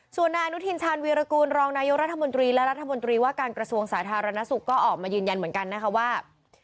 ส่วนนายอนุทินชาญวีรกูลรองนายกรัฐมนตรีและรัฐมนตรีว่าการกระทรวงสาธารณสุขก็ออกมายืนยันเหมือนกันนะคะว่า